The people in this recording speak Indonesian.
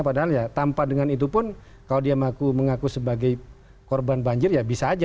padahal ya tanpa dengan itu pun kalau dia mengaku sebagai korban banjir ya bisa aja